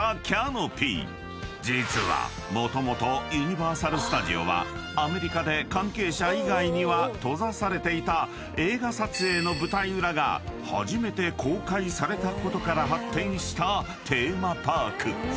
［実はもともとユニバーサル・スタジオはアメリカで関係者以外には閉ざされていた映画撮影の舞台裏が初めて公開されたことから発展したテーマパーク］